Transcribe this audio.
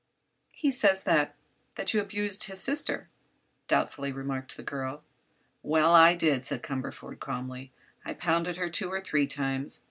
"He says that—that you abused his sister," doubtfully remarked the girl. "Well, I did," said Cumberford, calmly. "I pounded her two or three times.